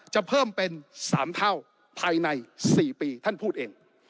จะเพิ่มเป็น๓เท่าภายใน๔ปีท่านพูดเอง